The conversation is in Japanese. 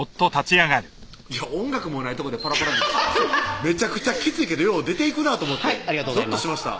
いや音楽もないとこでパラパラめちゃくちゃきついけどよう出ていくなぁと思ってぞっとしました